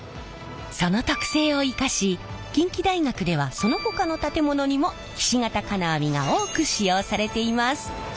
その特性を生かし近畿大学ではそのほかの建物にもひし形金網が多く使用されています。